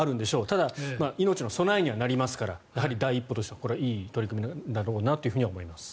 ただ、命の備えにはなりますから第一歩としてはいい取り組みだろうとは思います。